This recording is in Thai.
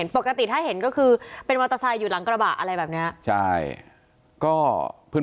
ปกติถ้าเห็นก็คือเป็นมอเตอร์ไซค์อยู่หลังกระบะอะไรแบบนี้ใช่